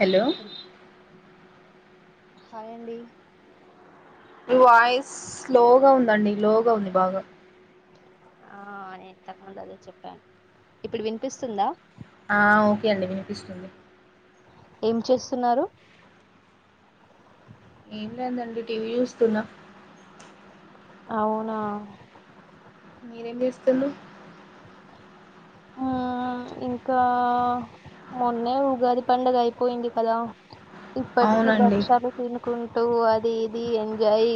Hello హల్ hi అండి మీ వాయిస్ స్లోగా ఉందండి లోగా ఉంది బాగా ఆ నేను ఇంతకుముందు అదే చెప్పాను ఇప్పుడు వినిపిస్తుందా ఆ ఓకే అండి వినిపిస్తుంది ఏం చేస్తున్నారు ఏం లేదండి టీవీ చూస్తున్నా అవునా మీరెం చేస్తుండ్రు ఆ ఆ ఆ ఇంకా మొన్నే ఉగాది పండుగ అయిపోయింది కదా ఇప్పటికి అవునండి భక్షలు తినుకుంటూ అది అది ఇది ఎంజాయ్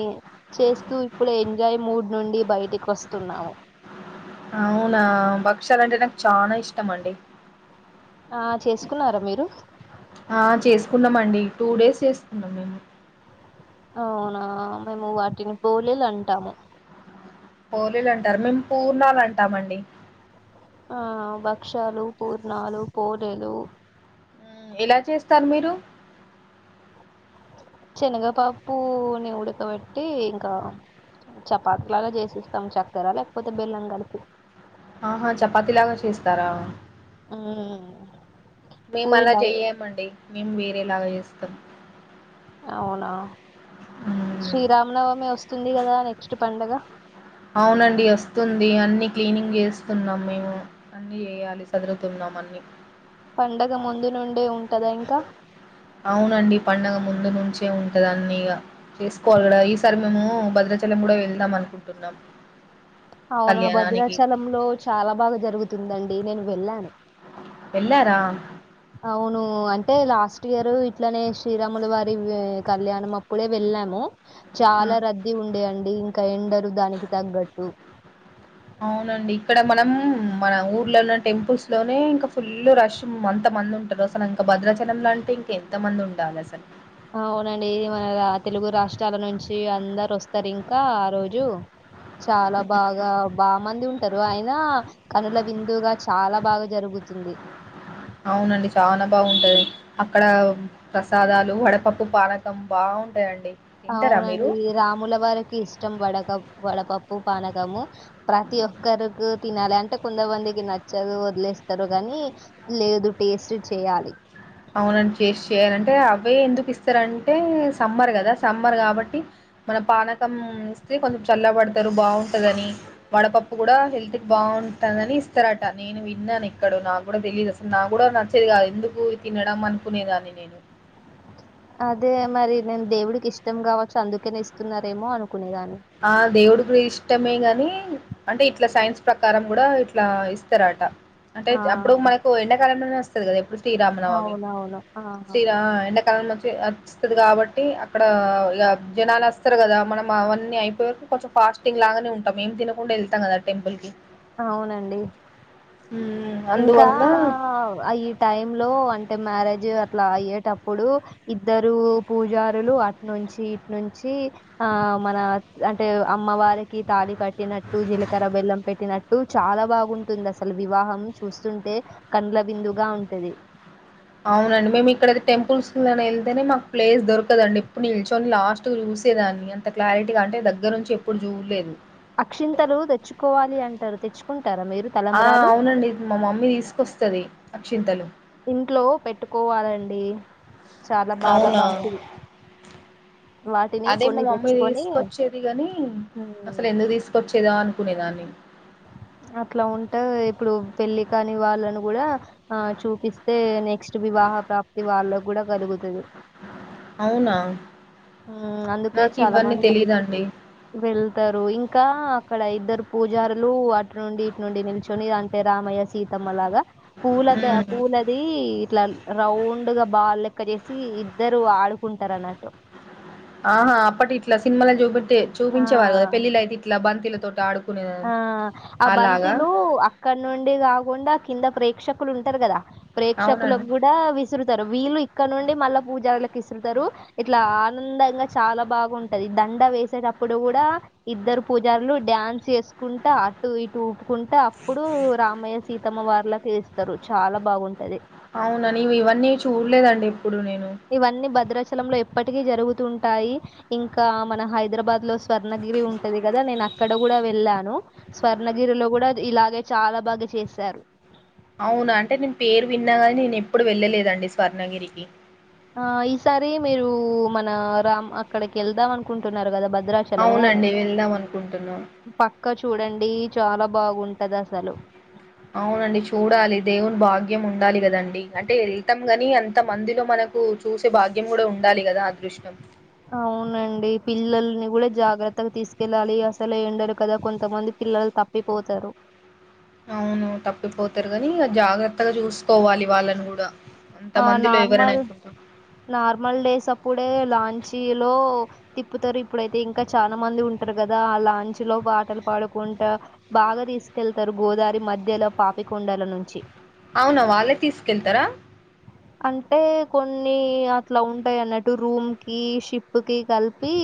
చేస్తూ ఇప్పుడు ఎంజాయ్ మూడ్ నుండి బయటికి వస్తున్నాము [inaudible] అవునా భక్షాలు అంటే నాకు చానా ఇష్టం అండి ఆ చేసుకున్నారా మీరు ఆ చేసుకున్నామండి టూ డేస్ చేసుకున్నాం మేము అవునా మేము వాటిని పోలేలు అంటాము పోలేలు అంటారు మేము పూర్ణాలు అంటామండి ఆ భక్షాలు పూర్ణాలు పోలేెలు ఎలా చేస్తారు మీరు శనగపప్పుని ఉడకబెట్టి ఇంకా చపాతి లాగా చేసిస్తాం చక్కెర లేకపోతే బెల్లం కలిపి ఆహా చపాతి లాగా చేస్తారా హుమ్ మేము అలా చేయమండి మేము వేరేలాగా చేస్తాం అవునా మ్, శ్రీరామనవమి వస్తుంది కదా నెక్స్ట్ పండుగ అవునండి వస్తుంది అన్ని క్లీనింగ్ చేస్తున్నాం మేము అన్ని చేయాలి సదురూతున్నాం అన్నీ పండగ ముందు నుండే ఉంటదా ఇంకా అవునండి పండగ ముందు నుంచే ఉంటది అన్ని ఇగ చేసుకోవాలి కద ఈ సర్ సారీ మాత్రము భద్రాచలం కూడా వెళ్దాం అనుకుంటున్నాం అవునా కళ్యాణానికి. భద్రాచల లో చాలా బాగా జరుగుతుందండి నేను వెళ్ళాను వెళ్లారా అవును అంటే లాస్ట్ ఇయరు ఇట్లనే శ్రీరాములు వారి కళ్యాణం అప్పుడే వెళ్ళాము ఆ! చాలా రద్దీ ఉండే అండి ఇంకా ఎండలు దానికి తగ్గట్టు అవునండి ఇక్కడ మనం మన ఊర్లో ఉన్న టెంపుల్స్ లోనే ఇంకా ఫుల్ రష్ అంత మంది ఉంటారు అసలు ఇంకా భద్రచలం అంటే ఇంక ఎంత మంది ఉండాలి అసలు అవునండి మన తెలుగు రాష్ట్రాల నుంచి అందరు వస్తారు ఇంకా ఆ రోజు చాలా బాగా బా మంది ఉంటారు అయిన కనుల విందుగా ఆ చాలా బాగా జరుగుతుంది ంది అవునండి చాలా బాగుంటది అక్కడ ప్రసాదాలు వడపప్పు పానకం బ బావుంటాయండి అవునండి రాముల వారికి ఇష్టం వడక వడపప్పు పప్పు పానకము ప్రతి ఒక్కరికి తినాలి అంటే కొంతమందికి నచ్చదు వదిలేస్తారు కాగానీ నీ లేదు టేస్ట్ చేయాలి అవునండి చేసి చెయాలంటే అవే ఎందుకు ఇస్తారంటే సమ్మర్ కదా సమ్మర్ కాబట్టి మన పానకం ఇస్తే కొంచెం చల్ల పడతారు బాగుంటది అని వడపప్పు కూడా హెల్త్ కి బాగు బాగుంటందని ఇస్తారట నేను విన్నాను ఇక్కడ నాకు కూడా తెలియదు అసలు నాకు కూడా నచ్చేది కాదు ఎందుకు తినడం అనుకునేదాన్ని నేను అదే మరి నేను దేవుడికి ఇష్టం గావచ్చు. అందుకేనే ఇస్తున్నారేమో అనుక్ ఆ దేవుడు గూడా ఇష్టమే గాని అంటే. ఇట్లా సైన్స్ ప్రకారం గూడా ఇట్లా ఇస్తారట. అంటే అప్పుడు ఆహా మనకు ఎండాకాలంలోనే వస్తది కదా. ఎప్పుడు శ్రీరామనవమి అవునవును ఆహా శ్రీరా ఎండాకాలంలో చ్ చ్తది కాబట్టి. అక్కడ ఇగ జనాలు వస్తారు గదా. మనం అ అన్ని అయిపోయ్ వరకు కొంచం ఫాస్టింగ్ లాగానే ఉంటాం. ఏం తినకుండా వెళ్తా కాద టెంపుల్ కి అవునండి మ్మ్ ఇంకా అందువల్ల అయి ఈ టైం లో అంటే. మ్యారేజ్ జు అట్లా అయ్యేటప్పుడు. ఇద్దరు పూజారులు అట్నుంచి ఇట్నుంచి. ఆ మన అంటే. అమ్మవారికి తాళి కట్టినట్టు. జీలకర్ర, బెల్లం పెట్టినట్ చాలా బాగుంటుంది. అసలు వివాహం చూస్తుంటే కండ్ల విందుగా ఉంటది. అవునండి మేము ఇక్కడయితే టెంపుల్స్ వెళ్తేనే. మాకు ప్లేస్ దొరకదండి. ఎప్పుడు నిల్చొని లాస్ట్ కు చూస్ చూసేదాన్ని అంత క్లారిటీగా అంటే. దగ్గర నుంచి ఎప్పుడు చూడ్లేదు. తరు తెచ్చుకుంట్ ఆ అవునండి మా మమ్మీ తీసుకొస్తది. అక్షింతలు ఇంట్లో పెట్టుకోవాలండి. చాలా బాగా మంచిది. వాటిని అదే మా కొన్ని మమ్మీ తెచ్చుకొని తీసుకొచ్చేది గాని. హ్మ్ అసలు ఎందుకు తీసుకొచ్చేదా అనుకునే దన్ న్నీ అట్లా ఉంటది. ఇప్పుడు పెళ్లి కాని వాళ్ళని గూడా ఆ చూపిస్తే నెక్ క్స్ట్ వివాహ ప్రాప్తి వాళ్ళ గూడా కలుగుతది. అవునా ఉమ్ అందుకే నాకు చాలా ఇవన్నీ మంది తెలీదండి వెళ్తారు. ఇంకా అక్కడ ఇద్దరు పూజారులు అటు నుండి, ఇటు నుండి. నిల్చొని అంటే రామయ్య, సీతమ్మ లాగ. పూలద హ్మ్ పూలది ఇట్లా రౌండ్గా బాల్ లెక్క చేసి. ఇద్దరు ఆడుకుంటారు అన్నట్టు. ఆహా అప్పటి ఇట్లా సినిమాలో చూపట్టే చూపించేవారు ఆ కదా. పెళ్ళిళ్లయితే ఇట్లా బంతిలతో ఆడుకున్ ఆ ఆ బంతిలు, అక్కడ నుండి గాకుండా ఆ కిందక్ ప్రేక్షకులు ఉంటారు గాదా. అవునండి ప్రేక్షకులకు గూడా విసురుతర్. వీళ్ళు ఇక్కడ నుండి. మళ్ళా పూజలకు ఇసురుతారు ఇట్లా ఆనందంగా చాలా బాగుంటది. దన్ డా వేసేటప్పుడు గూడా. ఇద్దరు పూజారులు డ్యాన్స్ చేస్ సుకుంటా. అటు ఇటు ఊపుకుంటా, అప్పుడు రామయ్య, సీతమ్మ వార్లాకు ఏస్తారు. చాలా బాగుంటది. అవునా నీవు ఇవన్నీ చూడ్లేదండి. ఇవన్నీ భద్రచల్ లంలో ఎప్పటికీ జరుగుతుంటాయి. ఇంకా మన హైదరాబాద్ లో స్వర్ణగిరి ఉంటది కదా. నేనక్ ఇక్కడ గూడా వెళ్ళాను. స్వర్ణగిరిలో కూడా ఇలాగే చాలా బాగా చేశారు. అవునా అంటే నేను పేరు విన్నాగాని నేను ఎప్పుడు వెళ్ళలేదండి. స్వర్ణగిరికి ఆ ఈసారి మీరు మన రామ్ అక్కడికి వెళ్దాం. అనుకుంటున్నారు కదా భద్ ద్రాచలం అవునండి వెళ్దాం అనుకుంటున్నాం పక్కచూ చూడండి చాలా బాగుంటది. అసలు అవునండి చూడాలి దేవుని భాగ్యం ఉండాలి కదండి. అంటే ఏల్తం గాని అంత మందిలో మన నాకు చూసే భాగ్యం గూడా ఉండాలి కదా. అదృష్టం అవునండి పిల్లల్ని కూడా జాగ్రత్తగా తీసుకెళ్ళాలి. అసలే ఏండలు కదా కొంతమంది. పి ల్లలు తప్పిపోతారు. అవును తప్పిపోతారు కానీ. ఇగ జాగ్రత్తగా చూసుకోవాలి వాళ్ళని గూడా. అంత ఆ మందిలో ఎవరైనా నార్మల్ ఎట్లుంటరు. నార్మల్ డేస్ అప్పుడే లాంచీ లో తిప్పుతారు ఇప్పుడైతే ఇంకా చానా మంది ఉంటారు కదా. ఆ లాంచ్ లో పాటలు పాడుకుంటా బాగా. తీసుకెళ్తారు గోదారి మధ్యలో పాపికొండల నుంచి అవున వాళ్ళే తీసుకెళ్తారా అంటే కొన్ని అట్లా ఉంటాయి అన్నట్టు రూమ్ కి షిప్ కి కలిపి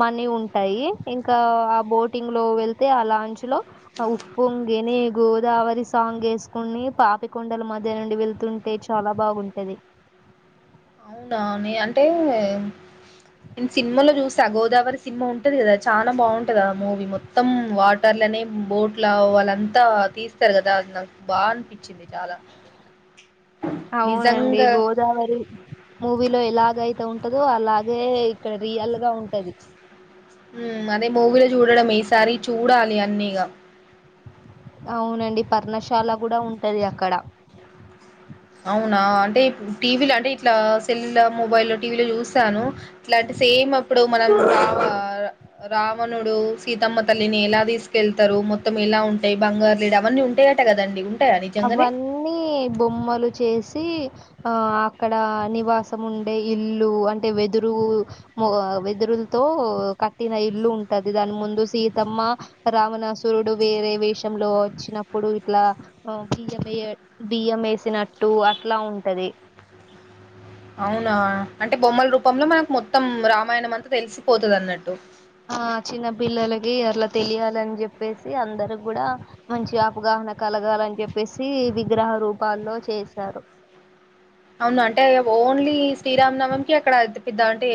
మనీ ఉంటాయి ఇంకా ఆ బోటింగ్ లో వెళ్తే ఆ లాంచ్ లో ఆ ఉప్పు ఎనీ గోదావరి సాంగ్ వేసుకుని పాపికొండల మధ్య నుండి వెళ్తుంటే చాలా బాగుంటది అవునా న అంటే నేను సినిమాలో చూసా గోదావరి సినిమా ఉంటది కదా చాలా బాగుంటది మూవీ మొత్తం వాటర్ ఇలానే బోట్ల వాళ్ళంతా తీస్తారు కదా అది నాకు బాగా అనిపించింది చాలా అవునండి నిజంగా గోదావరి మూవీలో ఎలాగైతే ఉంటదొ అలాగే ఇక్కడ రియల్ గా ఉంటది అదే మూవీలో చూడడం ఈ సారి చూడాలి అన్నీ ఇక అవునండి పర్ణశాల కూడా ఉంటది అక్కడ అవునా అంటే టీవీలు అంటే ఇట్లా సెల్ లో మొబైల్ టీవీలో చూస్తాను ఇట్లాంటి సేమ్ అప్పుడు మనం రావ రావణుడు సీతమ్మ తల్లిని ఎలా తీసుకెళ్తారు మొత్తం ఎలా ఉంటాయి బంగారులేడీ అవన్నీ ఉంటాయట కదండి ఉంటాయా నిజంగానే అవన్నీ బొమ్మలు చేసి ఆ అక్కడ నివాసం ఉండే ఇల్లు అంటే వెదురు వెదురులతో కట్టిన ఇల్లు ఉంటది దాని ముందు సీతమ్మ రావణాసురు సురుడు వేరే వేషంలో వచ్చినప్పుడు ఇట్లా బియ్యం బియ్యం వేసినట్టు అట్లా ఉంటది అవునా అంటే బొమ్మల రూపంలో మనకు మొత్తం రామాయణం అంతా తెలిసిపోతుంది అన్నట్టు ఆ చిన్న పిల్లలకి అట్లా తెలియాలని చెప్పేసి అందరు కూడా మంచి ఆపగా న కలగాలని చెప్పేసి విగ్రహ రూపాల్లో చేశారు అవును అంటే ఓన్లీ శ్రీరాంనమంకి అక్కడపిద్దా అంటే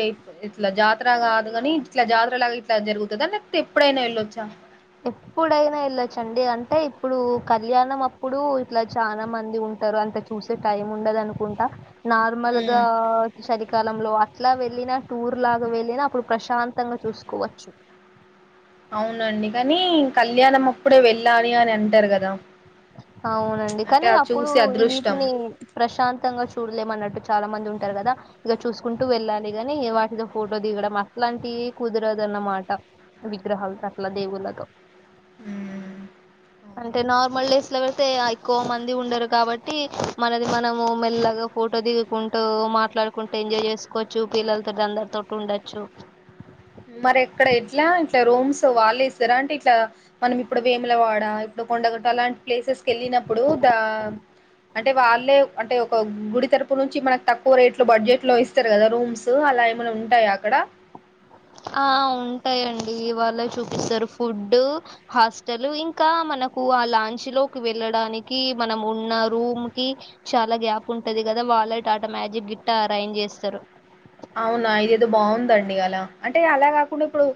ఇట్లా జాతర కాదు కానీ ఇట్లా జాతర లాగా ఇట్లా జరుగుతుంది లేకపోతే ఎప్పుడైనా వెళ్ళొచ్చా ఎప్పుడైనా వెళ్ళొచ్చండి అంటే ఇప్పుడు కళ్యాణం అప్పుడు ఇట్లా చాలా మంది ఉంటు టారు అంతా చూసే టైమ్ ఉండదు అనుకుంటా నార్మల్ గా కాలంలో అట్లా వెళ్ళిన టూర్ లాగా వెళ్ళిన అప్పుడు ప్రశాంతంగా చూసుకోవచ్చు అవునండి కానీ కళ్యాణం అప్పుడే వెళ్ళాలి అని అంటారు కదా అ అవునండి అంటే కానీ అది అప్పుడు చూసి ఈ అదృష్టం వీటిని ప్రశాంతంగా చూడలేమ అన్నట్టు చాలా మంది ఉంటు టారు కదా ఇక చూసుకుంటూ వెళ్ళాలి ని వాటితో ఫోటో దిగడం అట్లాంటి కుదరదు అన్నమాట విగ్రహాలు సకల దేవుళ్ళగా మ్మ్. అంటే అవును నార్మల్ డ అట్లు పెడితే ఎక్కువ మంది ఉండరు కాబట్టి మనది మనము మెల్లగా ఫోటో దిగుకుంటూ మాట్లాడుకుంటే ఎంజాయ్ చేసుకోవచ్చు పిల్లలతో అందరితో ఉండొచ్చు మరి ఎక్కడ ఇట్లా ఇట్లా రూమ్స్ వాళ్ళు ఇస్తారా అంటే ఇట్లా మనం ఇప్పుడు వేముల వాడా ఇప్పుడు పండగ అలాంటి ప్లేసెస్కి వెళ్ళినప్పుడు ద అంటే వాళ్ళే అంటే ఒక గుడి తరపు నుంచి మనకు తక్కువ రేట్ లో బడ్జెట్ లో ఇస్తారు కదా రూమ్స్ అట్లా ఏమైనా ఉంటాయా అక్కడ ఆ ఉంటాయంండి వాళ చూపిస్తారు ఫుడ్ హాస్టల్ ఇంకా మన కూ ఆల్ల లాంచ్ లోకి వెళ్ళడానికి మనం ఉన్న రూమ్ కి చాల గ్యాప్ ఉంటది గదా వాలె టటా మ్యాజిక్ గిట్ట అరేంజ్ జెస్తారు అవునా ఇదిదో బాగుందండి అలా అంటే అలా కాకుండా ఇప్పుడు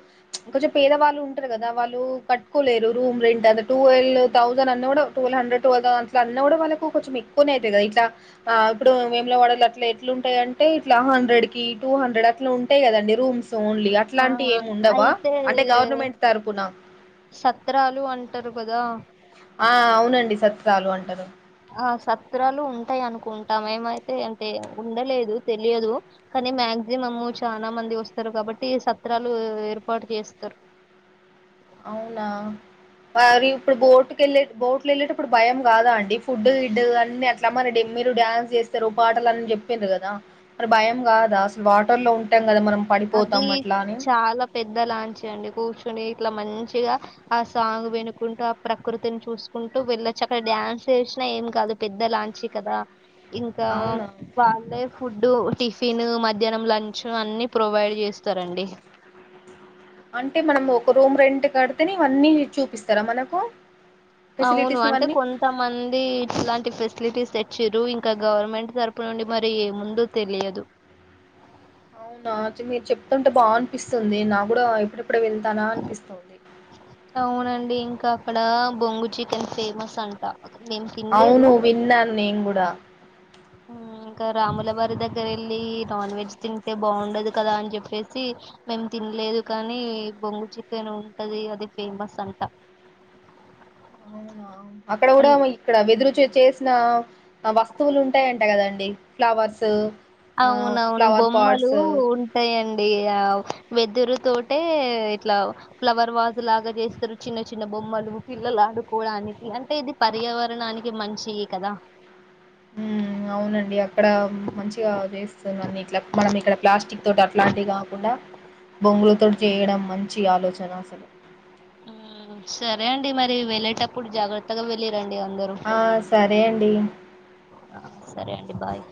కొంచెం పేదవాళ్ళు ఉంటరు గదా వాళ్ళు కట్టుకోలేరు రూమ్ రెంట్ అదా టువెల్ థౌసండ్ అన్నోడు కూడా టువల్ హండ్రెడ్ టువెల్ థౌసండ్అన్నోడు అట్లా కూ కొంచెం ఎక్కువనే అయితగదా ఇట్లఆ ఇప్పుడు వేము లవాడ అట్లే ఎట్ల ఉంటయి అంటే ఇట్ల హండ్రెడ్ కీ టూ హండ్రెడ్ అట్ల ఉంటయి గదండి రూమ్స్ ఓన్లీ ఆ అట్లాంటివి ఏమి ఉండవా అయితే అంటే గవర్నమెంట్ తరపున సత్రాలు అంటరు గదా ఆ అవునండి సత్రాాలు అంటరు ఆ సత్రాలు ఉంటయి అనుకుంటాం ఏమైతే అంటే ఉండలేదు తెలియదు నీ మ్యాక్సిమమ్ చాలా మంది వస్తరు గాబట్టి సత్రాలు ఏర్పాటు జేస్తరు [inaudible] అవునా మరి ఇప్పుడు బోటుకి ఎల్లె బోట్లు ఎళ్ళేటప్పుడు భయం గాదా అండి ఫుడ్ గిడ్ అన్ని అట్లా మన డెమ్ మీరు డ్యాన్స్ జేస్తరు పాటలు అని జెప్పిరు గదా మరి భయం గాదా అసలు వాటర్ లో ఉంటే అది చాలా పెద్ద లాంచ్ అండి కూర్చుని ఇట్ల మంచిగ ఆ సాంగ్ వినుకుంటూ ఆ ప్రకృతిని చూసుకుంటూ వెళ్ళొచ్చు అక్కడ డ్యాన్స్ చేసి అట్ల ఏం కాదు పెద్ద లాంచీ కదా ఇంకా అవునా వాళ్ళే ఫుడ్డు టిఫిన్ మధ్యాహ్నం లంచ్ అన్ని ప్రొవైడ్ చేస్తారండి అంటే మనం ఒక రూమ్ రెంట్ కడితేనే ఇవన్నీ చూపిస్తరా మనకు అవును ఫెసిలిటీస్ అంటే ఇవన్నీ కొంతమంది ఇట్లాంటి ఫెసిలిటీస్ తెచ్చిర్రు ఇంకా గవర్నమెంట్ తరపు నుండి మరి ఏ ముందు తెలియదు అవునా చి మీరు చెప్తు తుంటే బాగ అనిపిస్తుంది నాగూడా ఎప్పుడెప్పుడు వెళ్తానా అనిపిస్తుంది అక్కడా బొంగు చికెన్ ఫేమస్ అంట మేము తినలేదు అవును విన్నాను నేను గూడ ఉమ్ ఇంక రాములవారి దగ్గర ఎళ్ళి నాన్ వెజ్ తింటే బాగుండదు కదా అని జెప్పేసి మేం తినలేదు కానీ బొంగు చికెన్ ఉంటది అది ఫేమస్ అంట [inaudible] అవునా అక్కడ గూడా అన్- ఇక్కడ వెదురుచే చేసిన వస్తువులు ఉంటాయంట కదండి ఫ్లవర్స్ ఆ అవునవును ఫ్లవర్ బొమ్మలూ పాట్స్ ఉంటయండి ఆ వెదురు తోటే ఇట్ల ఫ్లవర్ వాజు లాగా జేస్తరు చిన్న చిన్న బొమ్మలు పిల్లలు ఆడుకోవడా అంటే ఇది పర్యావరణానికి మంచియి కదా ఉమ్ అవునండి అ ఇక్కడ మంచిగా జేస్తున్నా అన్నిట్లా మనం ఇక్కడ ప్లాస్టిక్ తోటి అట్లాంటియి గాకుండా బొంగులతో చేయడం మంచి ఆలోచన అసలు ఆ సరే అండి మరి వెళ్ళేటప్పుడు జాగ్రత్తగ వెళ్ళి అండి అందరు ఆ సరే అండి సరే అండి బాయ్